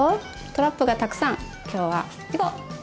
トラップがたくさん今日は行こう！